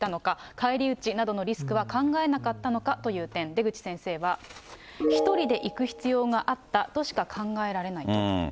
返り討ちなどのリスクは考えなかったのかという点、出口先生は、１人で行く必要があったとしか考えられないと。